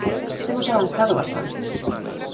Temos avanzado bastante.